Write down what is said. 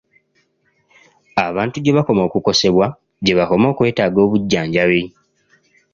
Abantu gye bakoma okukosebwa, gye bakoma okwetaaga obujjanjabi.